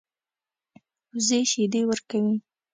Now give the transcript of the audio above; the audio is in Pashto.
وزې شیدې ورکوي